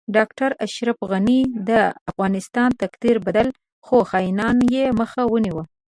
ډاکټر اشرف غنی د افغانستان تقدیر بدلو خو خاینانو یی مخه ونیوه